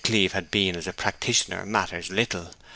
Cleeve had been as a practitioner matters little.